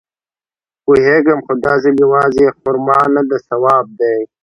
پوېېږم خو دا ځل يوازې خرما نده ثواب دی.